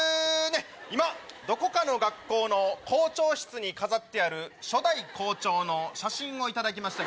今どこかの学校の校長室に飾ってある初代校長の写真を頂きました。